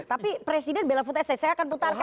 tapi presiden bela food estate saya akan putarkan